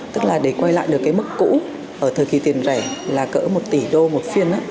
tức là để quay lại được cái mức cũ ở thời kỳ tiền rẻ là cỡ một tỷ đô một phiên